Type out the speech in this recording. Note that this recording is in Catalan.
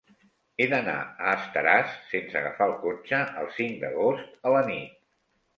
He d'anar a Estaràs sense agafar el cotxe el cinc d'agost a la nit.